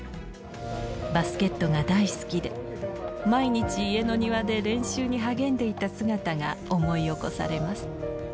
バスケットが大好きで、毎日、家の庭で練習に励んでいた姿が思い起こされます。